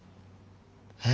え？